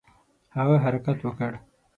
هغه حرکت وکړ.